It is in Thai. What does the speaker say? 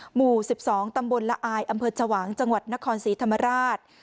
หมู่๑๒ตำบลละอายอำเภอชวางจังหวัดนครศรีธรรมราช